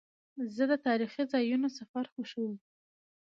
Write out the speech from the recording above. زه د تاریخي ځایونو سفر خوښوم.